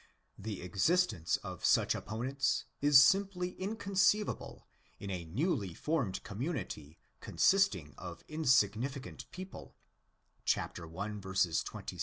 The existence of such opponents is simply inconceivable in a newly formed community consist ing of insignificant people (i.